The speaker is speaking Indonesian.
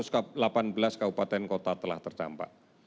delapan ratus delapan belas kabupaten kota telah terdampak